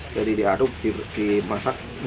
jadi diaduk dimasak nggak matang